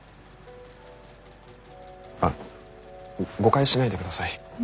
あっ誤解しないでください。